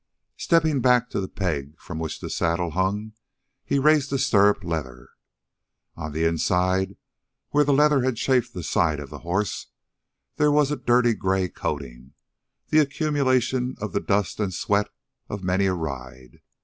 Stepping back to the peg from which the saddle hung, he raised the stirrup leather. On the inside, where the leather had chafed the side of the horse, there was a dirty gray coating, the accumulation of the dust and sweat of many a ride.